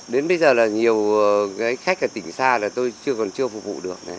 đến bây giờ là nhiều khách ở tỉnh xa là tôi chưa còn chưa phục vụ được